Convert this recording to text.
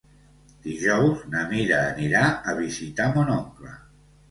Dijous na Mira anirà a visitar mon oncle.